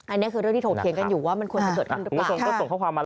อันนี้คือเรื่องที่ถกเถียงกันอยู่ว่ามันควรจะเกิดขึ้นหรือเปล่า